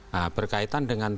nah berkaitan dengan